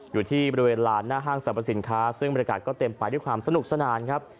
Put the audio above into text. อยู่ที่บริเวณลานหน้าห้างสรรพสินค้าซึ่งบริการก็เต็มไปด้วยความสนุกสนานครับ